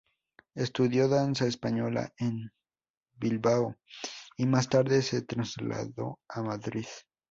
Estudió Danza española en Bilbao, y más tarde se trasladó a Madrid.